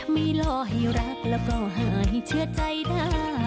ไม่รอให้รักแล้วก็หายเชื่อใจหน้า